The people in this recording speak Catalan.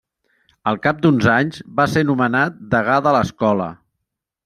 Al cap d'uns anys, va ser nomenat degà de l'escola.